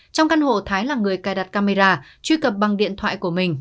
trong căn hộ thái là người cài đặt camera truy cập bằng điện thoại của mình